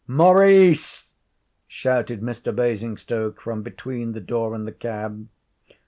'Maurice!' shouted Mr. Basingstoke from between the door and the cab.